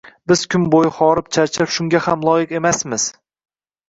Biz kun bo'yi horib-charchab shunga ham loyiq emasmiz